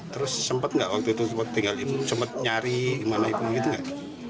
terus sempat nggak waktu itu sempat tinggal ibu sempat nyari gimana ibu gitu nggak